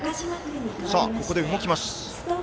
ここで動きます。